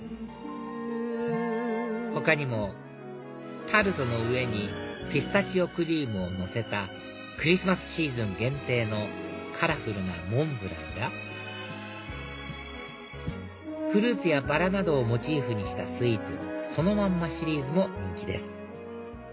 他にもタルトの上にピスタチオクリームをのせたクリスマスシーズン限定のカラフルなモンブランやフルーツやバラなどをモチーフにしたスイーツそのまんまシリーズも人気です